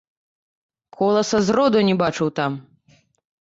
Коласа зроду не бачыў там!